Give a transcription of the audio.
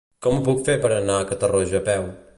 Com ho puc fer per anar a Catarroja a peu?